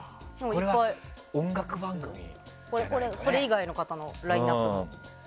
これ以外の方のラインアップも。